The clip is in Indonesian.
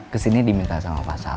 kesini diminta sama pasal